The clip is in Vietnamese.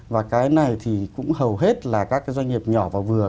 và cái này thì cũng hầu hết là các cái doanh nghiệp nhỏ và vừa